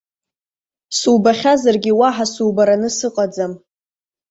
Субахьазаргьы уаҳа субараны сыҟаӡам.